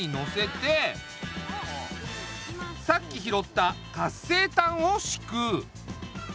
さっき拾った活性炭をしく。